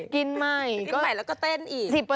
กินใหม่แล้วก็เต้นอีก